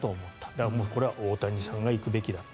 だからこれは大谷さんが行くべきだと。